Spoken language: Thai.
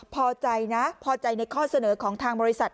พอใจนะพอใจในข้อเสนอของทางบริษัท